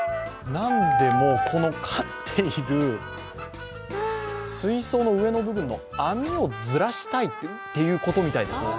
何でも、飼っている水槽の上の部分の網をずらしたいということみたいです。